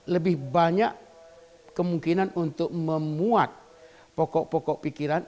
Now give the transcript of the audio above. lebih banyak kemungkinan untuk memuat pokok pokok pikiran